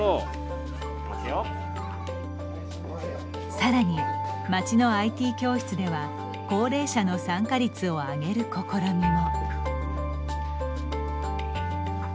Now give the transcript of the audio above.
さらに、町のＩＴ教室では高齢者の参加率を上げる試みも。